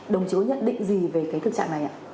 đồng chí nhận định gì về cái thực trạng này ạ